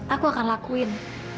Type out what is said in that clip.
aku akan lakuin